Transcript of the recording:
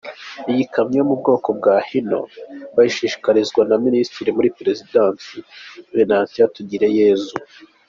Iyi kamyo yo mu bwoko bwa Hino bayishyikirijwe na Minisitiri muri Perezidansi, Venantia Tugireyezu.